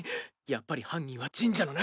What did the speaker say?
やっぱり犯人は神社の中に。